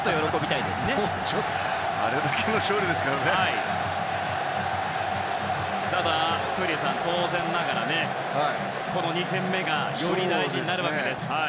ただ、闘莉王さん当然ながらこの２戦目がより大事になるわけです。